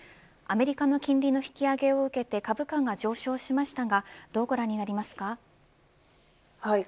アメリカの金利の引き上げを受けて株価が上昇しましたがどうご覧になりますか。